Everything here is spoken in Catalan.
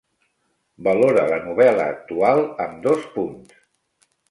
valora la novel·la actual amb dos punts